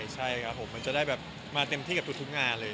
ใช่ครับผมมันจะได้แบบมาเต็มที่กับทุกงานเลย